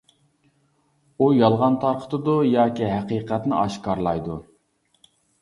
ئۇ يالغان تارقىتىدۇ ياكى ھەقىقەتنى ئاشكارىلايدۇ.